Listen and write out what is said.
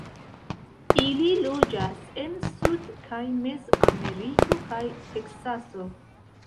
Ili loĝas en Sud- kaj Mez-Ameriko kaj Teksaso.